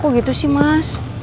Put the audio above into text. kok gitu sih mas